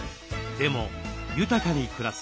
でも豊かに暮らす。